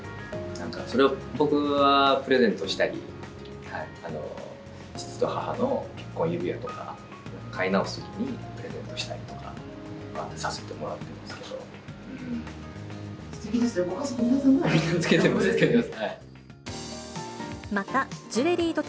なんか、それを僕がプレゼントしたり、父と母の結婚指輪とか、買い直すときにプレゼントしたりとかさせてもらってますけど。